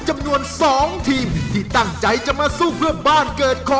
เอาผมไปนั่งหน่อยซิ